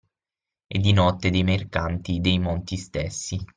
E di notte dei mercanti dei monti stessi.